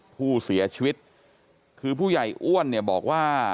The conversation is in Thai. ผู้เสียชีวิตคือผู้ใหญ่อ้วนเนี่ยบอกว่า